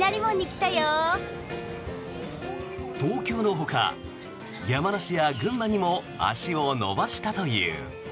東京のほか山梨や群馬にも足を延ばしたという。